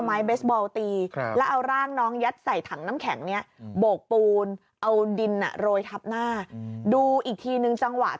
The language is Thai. มาเลี้ยงเนี่ยมาดูแลนะ